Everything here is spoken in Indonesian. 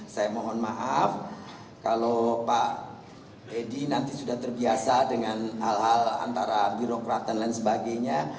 saya mohon maaf kalau pak edi nanti sudah terbiasa dengan hal hal antara birokrat dan lain sebagainya